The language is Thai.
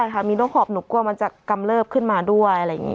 ใช่ค่ะมีโรคหอบหนูกลัวมันจะกำเลิบขึ้นมาด้วยอะไรอย่างนี้